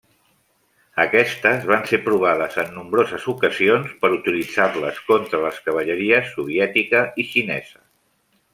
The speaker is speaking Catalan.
Aquestes van ser provades en nombroses ocasions per utilitzar-les contra les cavalleries soviètica i xinesa.